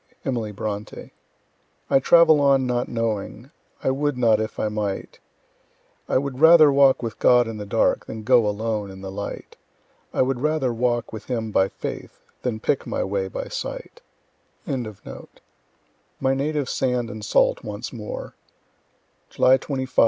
Emily Bronte. I travel on not knowing, I would not if I might; I would rather walk with God in the dark, Than go alone in the light; I would rather walk with Him by faith Than pick my way by sight MY NATIVE SAND AND SALT ONCE MORE _July 25, '81.